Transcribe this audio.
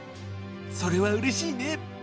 それは嬉しいね！